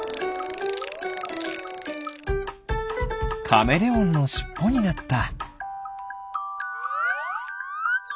カメレオンのしっぽになった。